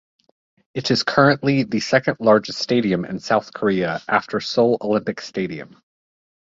It is currently the second largest stadium in South Korea after Seoul Olympic Stadium.